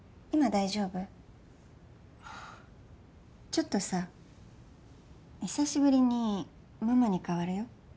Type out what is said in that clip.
ちょっとさ久しぶりにママに代わるよ。